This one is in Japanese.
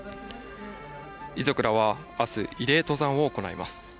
遺族らは、あす、慰霊登山を行います。